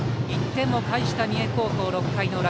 １点を返した三重高校、６回の裏。